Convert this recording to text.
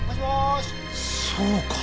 そうか。